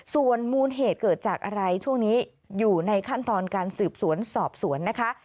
ส่วนมูลเหตุเกิดจากอะไรช่วงนี้อยู่ในขั้นตอนการสืบสวนสอบสวนนะคะ